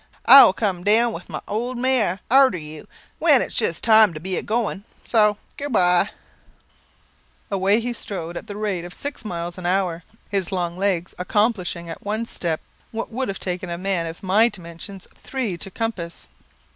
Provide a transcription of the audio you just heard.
I will come down with my old mare arter you, when its just time to be a goin'. So good bye." Away he strode at the rate of six miles an hour; his long legs accomplishing at one step what would have taken a man of my dimensions three to compass.